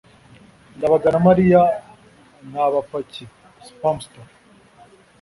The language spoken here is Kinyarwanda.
ndabaga na mariya ni abapaki. (spamster